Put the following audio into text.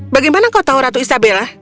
bagaimana kau tahu ratu isabella